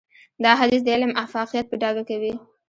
دا حديث د علم افاقيت په ډاګه کوي.